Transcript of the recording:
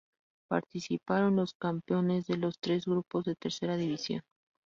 Participaron los campeones de los tres grupos de Tercera División.